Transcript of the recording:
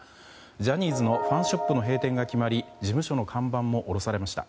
ジャニーズのファンショップの閉店が決まり事務所の看板も下ろされました。